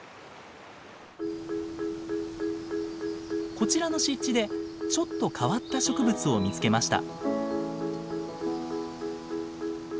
こちらの湿地でちょっと変わった植物を見つけました。